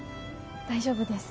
大丈夫です。